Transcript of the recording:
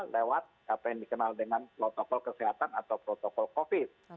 lewat apa yang dikenal dengan protokol kesehatan atau protokol covid